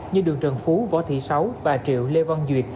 như đường trần phú võ thị sáu bà triệu lê văn duyệt